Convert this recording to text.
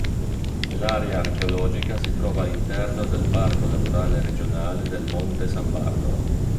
L'area archeologica si trova all'interno del Parco naturale regionale del Monte San Bartolo.